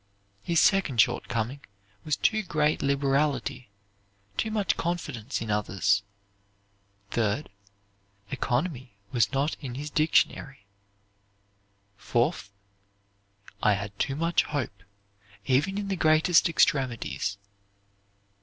His second shortcoming was too great liberality, too much confidence in others. Third, economy was not in his dictionary. Fourth, "I had too much hope, even in the greatest extremities."